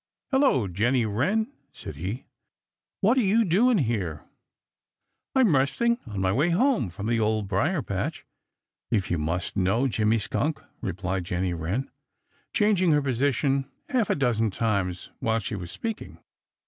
"Hello, Jenny Wren!" said he. "What are you doing here?" "I'm resting on my way home from the Old Briar patch, if you must know, Jimmy Skunk!" replied Jenny Wren, changing her position half a dozen times while she was speaking.